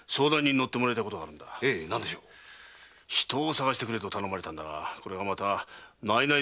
人を捜してくれと頼まれたんだがこれがないない